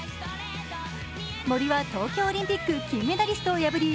森は東京オリンピック金メダリストを破り